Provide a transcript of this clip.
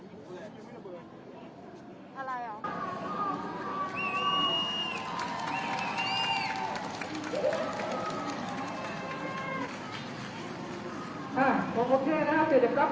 ไม่รู้ว่ามันมันจะพบตรงไหนใช่มั้ยนะใช่